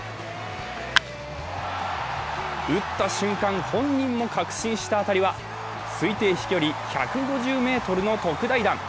打った瞬間、本人も確信した当たりは推定飛距１５０ｍの特大弾。